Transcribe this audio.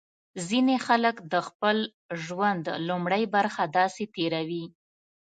ځینې خلک د خپل ژوند لومړۍ برخه داسې تېروي.